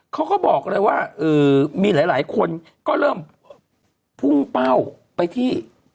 เขาก็บอกเลยว่ามีหลายคนก็เริ่มพุ่งเป้าไปที่